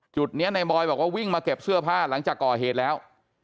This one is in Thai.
จุดนี้ในบอยบอกว่าวิ่งมาเก็บเสื้อผ้าหลังจากก่อเหตุแล้ว